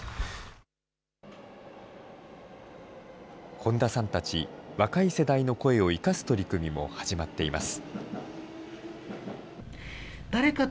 本田さんたち、若い世代の声を生かす取り組みも始まっています。